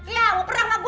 iya mau perang sama gue